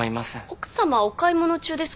奥さまお買い物中ですか？